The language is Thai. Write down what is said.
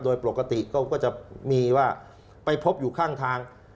โดยปกติเขาก็จะมีว่าไปพบอยู่ข้างทาง